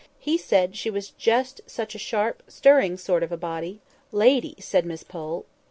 He said, she was just such a sharp, stirring sort of a body"— "Lady," said Miss Pole.